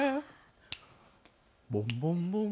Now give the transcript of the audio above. ボンボン。